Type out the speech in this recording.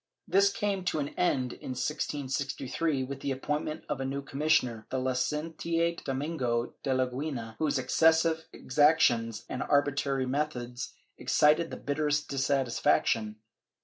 ^ This came to an end, in 1663, with the appointment of a new commissioner, the Licentiate Domingo de Leguina, whose exces sive exactions and arbitrary methods excited the bitterest dissatis faction.